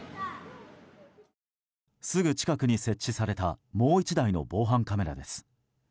すぐ近くに設置されたもう１台の防犯カメラです。